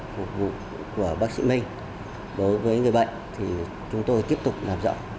phục vụ của bác sĩ minh đối với người bệnh thì chúng tôi tiếp tục làm rõ